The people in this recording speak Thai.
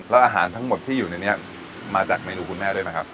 แล้วอาหารทั้งหมดที่อยู่ในนี้มาจากเมนูคุณแม่ด้วยไหมครับ